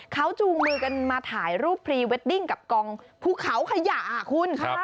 เขาจูงมือกันมาถ่ายรูปพรีเวดดิ้งกับกองภูเขาขยะคุณ